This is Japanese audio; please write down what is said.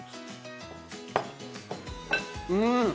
うん！